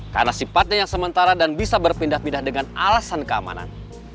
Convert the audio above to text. karena sifatnya yang sementara dan bisa berpindah pindah dengan alasan keamanan